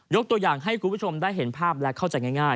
ตัวอย่างให้คุณผู้ชมได้เห็นภาพและเข้าใจง่าย